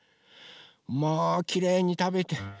まあきれいにたべて。